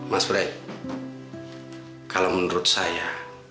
mas bray kalau menurut saya